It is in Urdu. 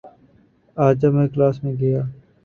آج جب میں کلاس میں گیا